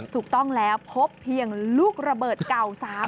ถูกต้องแล้วพบเพียงลูกระเบิดเก่า๓๐